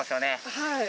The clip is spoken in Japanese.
はい。